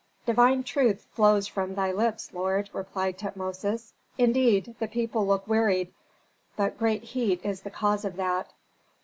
"Divine truth flows from thy lips, lord," replied Tutmosis. "Indeed the people look wearied, but great heat is the cause of that."